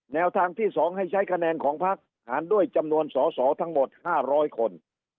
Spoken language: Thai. แนวทางที่๒ให้ใช้คะแนนของพักหารด้วยจำนวนสอสอทั้งหมด๕๐๐คน